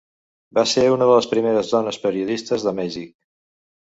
Va ser una de les primeres dones periodistes de Mèxic.